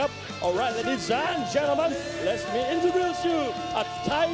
โปรดติดตามต่อไป